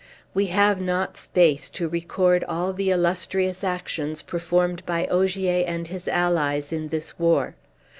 We have not space to record all the illustrious actions performed by Ogier and his allies in this war.